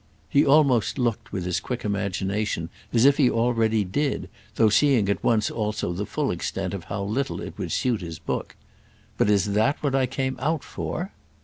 He almost looked, with his quick imagination as if he already did, though seeing at once also the full extent of how little it would suit his book. "But is that what I came out for?"